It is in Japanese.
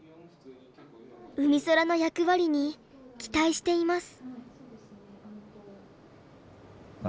うみそらの役割に期待しています。